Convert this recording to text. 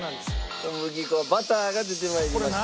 小麦粉バターが出て参りました。